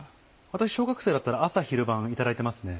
私小学生だったら朝昼晩いただいてますね。